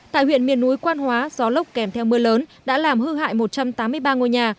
tại huyện miền núi quan hóa gió lốc kèm theo mưa lớn đã làm hư hại một trăm tám mươi ba ngôi nhà